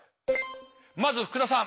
まず福田さん。